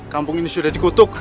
kampung ini sudah dikutuk